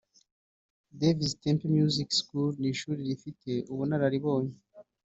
David’s Temple Music School ni ishuri rifite ubunararibonye